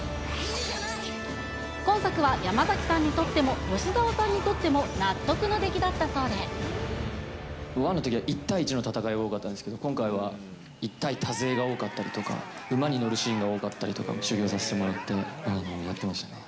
今作は山崎さんにとっても吉沢さんにとっても納得の出来だったそ１のときは、１対１の戦いが多かったんですけど、今回は１対多勢が多かったりとか、馬に乗るシーンが多かったりとか、修業させてもらって、やってましたね。